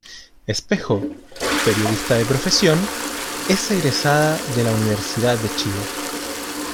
Espejo, periodista de profesión, es egresada de la Universidad de Chile.